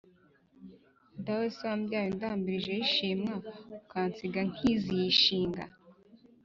dawe se wambyaye undambirijeho inshimwa ukansiga nkizishinga